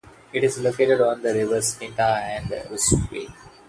It is located on the rivers Fintau and Ruschwede.